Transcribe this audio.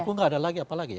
aku tidak ada lagi apalagi ya